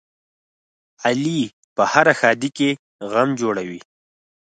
علي په هره ښادۍ کې غم جوړوي.